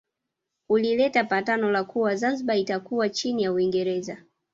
Ulileta patano la kuwa Zanzibar itakuwa chini ya Uingereza